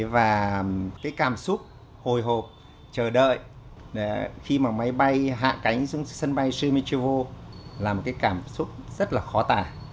và cái cảm xúc hồi hộp chờ đợi khi mà máy bay hạ cánh xuống sân bay shimitrio là một cái cảm xúc rất là khó tả